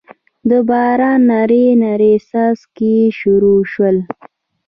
دباران نري نري څاڅکي شورو شول